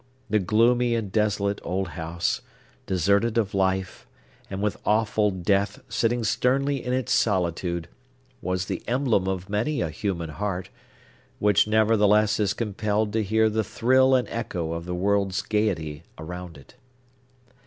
The gloomy and desolate old house, deserted of life, and with awful Death sitting sternly in its solitude, was the emblem of many a human heart, which, nevertheless, is compelled to hear the thrill and echo of the world's gayety around it.